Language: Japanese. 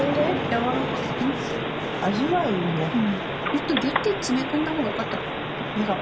もっとぎゅって詰め込んだ方がよかったかも。